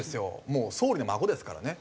もう総理の孫ですからね。